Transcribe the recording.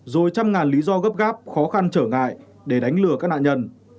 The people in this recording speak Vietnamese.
rồi trăm ngàn lý do gấp gáp khó khăn trở ngại để đánh lừa các nạn nhân